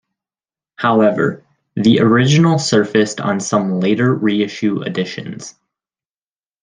However, the original surfaced on some later reissue editions.